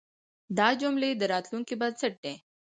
دا جملې د راتلونکي بنسټ دی.